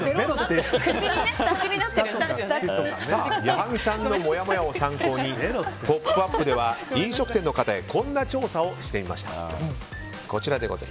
矢作さんのもやもやを参考に「ポップＵＰ！」では飲食店の方へこんな調査をしてみました。